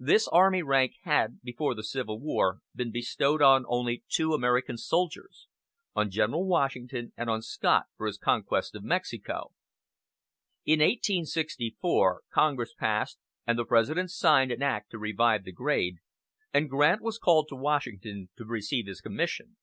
This army rank had, before the Civil War, been bestowed on only two American soldiers on General Washington, and on Scott, for his conquest of Mexico. In 1864 Congress passed and the President signed an act to revive the grade, and Grant was called to Washington to receive his commission.